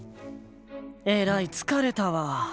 えらい疲れたわ。